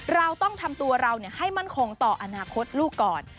เราต้องทำตัวเราให้มั่นคงต่ออนาคตลูกก่อน